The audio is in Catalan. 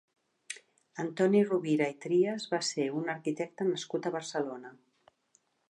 Antoni Rovira i Trias va ser un arquitecte nascut a Barcelona.